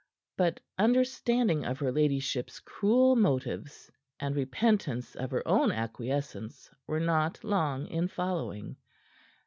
But understanding of her ladyship's cruel motives, and repentance of her own acquiescence, were not long in following.